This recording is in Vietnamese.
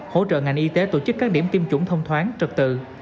hỗ trợ ngành y tế tổ chức các điểm tiêm chủng thông thoáng trật tự